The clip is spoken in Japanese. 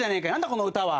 この歌は。